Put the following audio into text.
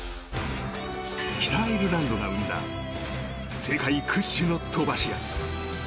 北アイルランドが生んだ世界屈指の飛ばし屋。